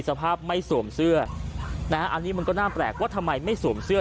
สภาพไม่สวมเสื้อนะฮะอันนี้มันก็น่าแปลกว่าทำไมไม่สวมเสื้อ